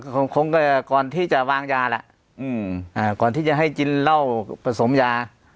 คงคงผมคงก่อนที่จะวางยาแหละอื้ออ่าก่อนที่จะให้จิ้นเล่าผสมยา